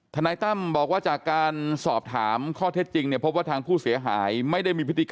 ขอโทษได้โทษทีบาก